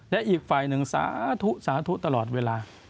และอีกฝ่ายหนึ่งสาธุสาธุตลอดเวลา